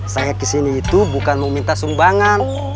saya ke sini itu bukan meminta sumbangan